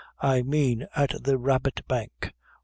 I mean at the Rabbit Bank.